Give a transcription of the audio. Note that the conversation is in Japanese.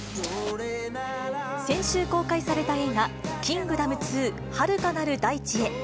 先週公開された映画、キングダム２遥かなる大地へ。